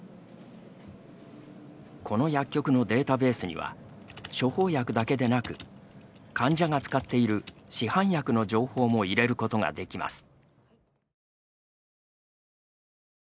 この薬局のデータベースには処方薬だけでなく患者が使っている市販薬の情報も入れることができます。